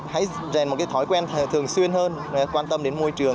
hãy dành một cái thói quen thường xuyên hơn quan tâm đến môi trường